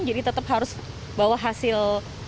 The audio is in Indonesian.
jadi tetap harus bawa hasil rapid